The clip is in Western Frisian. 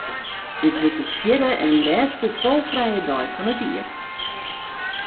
Dit wurdt de fjirde en lêste tolfrije dei fan dit jier.